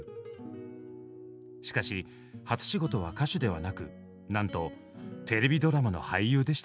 しかし初仕事は歌手ではなくなんとテレビドラマの俳優でした。